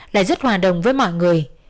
lại rất hòa đồng với mọi người